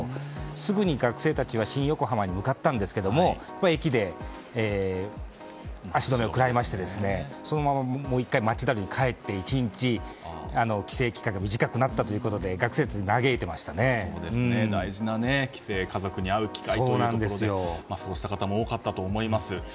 すぐに学生たちは新横浜に向かったんですけれども駅で足止めを食らいましてそのままもう１回町田に帰って１日帰省期間が短くなったということで学生たちは大事な帰省家族に会う機会という方も多かったと思います。